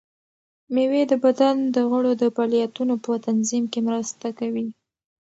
مېوې د بدن د غړو د فعالیتونو په تنظیم کې مرسته کوي.